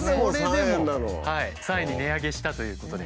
３円に値上げしたということで。